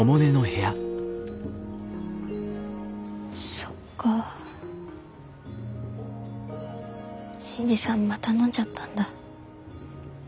そっか新次さんまた飲んじゃったんだ。